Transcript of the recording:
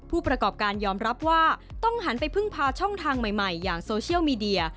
ผู้ประกอบการยอมรับว่าต้องหันไปพึ่งพาช่องทางใหม่อย่างโซเชียลมีเดีย